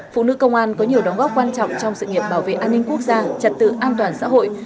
phụ nữ công an có nhiều đóng góp quan trọng trong sự nghiệp bảo vệ an ninh quốc gia trật tự an toàn xã hội